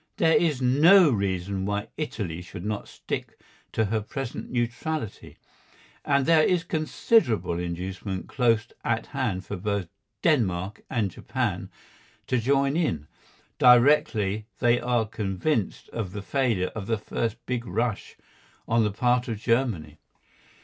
There is no reason why Italy should not stick to her present neutrality, and there is considerable inducement close at hand for both Denmark and Japan to join in, directly they are convinced of the failure of the first big rush on the part of Germany.